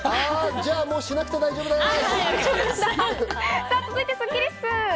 じゃあ、もうしなくて大丈夫です。